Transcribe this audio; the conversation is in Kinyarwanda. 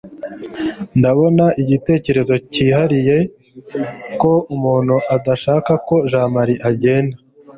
ndabona igitekerezo cyihariye ko umuntu adashaka ko jamali agenda